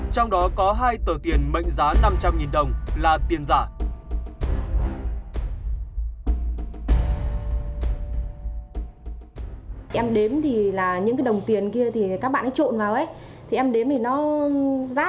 trong đó có hai tờ tiền mệnh giá năm trăm linh đồng là tiền giả